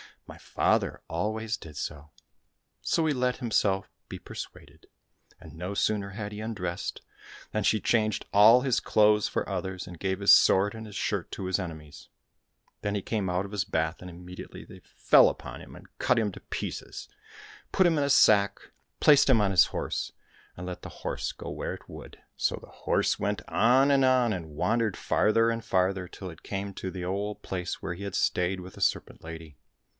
My father always did so." So he let himself be per suaded, and no sooner had he undressed than she changed all his clothes for others, and gave his sword and his shirt to his enemies. Then he came out of his bath, and immediately they fell upon him, cut him to pieces, put him in a sack, placed him on his horse, ii6 THE STORY OF UNLUCKY DANIEL and let the horse go where it would. So the horse went on and on, and wandered farther and farther, till it came to the old place where he had stayed with the Serpent Lady.